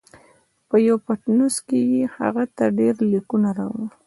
په یوه پتنوس کې یې هغه ته ډېر لیکونه راوړل.